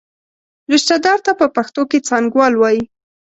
رشته دار ته په پښتو کې څانګوال وایي.